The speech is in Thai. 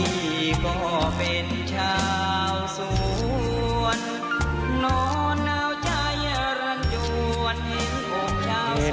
พี่ก็เป็นชาวสวนนอนเอาใจรังโยนเป็นโมงชาวสวน